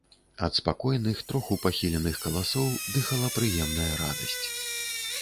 Ад спакойных, троху пахіленых каласоў дыхала прыемная радасць.